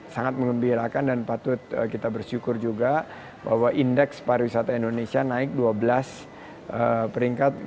sangat mengembirakan dan patut kita bersyukur juga bahwa indeks pariwisata indonesia naik dua belas peringkat